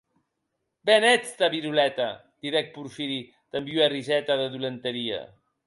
Be n’ètz de viroleta!, didec Porfiri damb ua riseta de dolenteria.